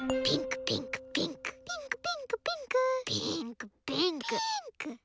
ピンクピンクピンク。